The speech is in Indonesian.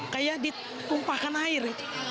saya ditumpahkan air